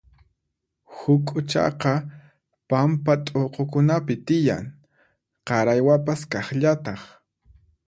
Huk'uchaqa pampa t'uqukunapi tiyan, qaraywapas kaqllataq.